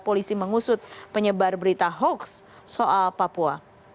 polisi mengusut penyebar berita hoax soal papua